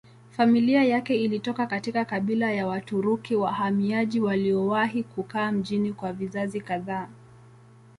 Familia yake ilitoka katika kabila ya Waturuki wahamiaji waliowahi kukaa mjini kwa vizazi kadhaa.